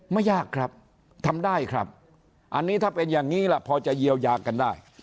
ไม่ยากครับทำได้ครับอันนี้ถ้าเป็นอย่างนี้ล่ะพอจะเยียวยากันได้